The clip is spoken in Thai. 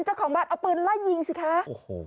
เจ้าของบ้านเอาเปลืองไล่ยิงสิคะ